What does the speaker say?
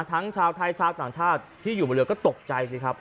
ชาวไทยชาวต่างชาติที่อยู่บนเรือก็ตกใจสิครับ